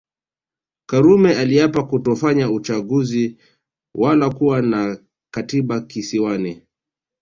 Karume aliapa kutofanya uchaguzi wala kuwa na Katiba Kisiwani